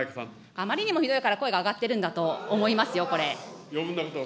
あまりにもひどいから、声が上がってるんだと思いますよ、こ。